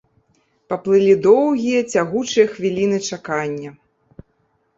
Паплылі доўгія, цягучыя хвіліны чакання.